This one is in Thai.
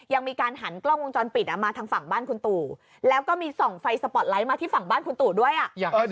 ยังมีการหันกล้องวงจรปิดมาทางฝั่งบ้านคุณตู่แล้วก็มีส่องไฟสปอร์ตไลท์มาที่ฝั่งบ้านคุณตู่ด้วยอ่ะ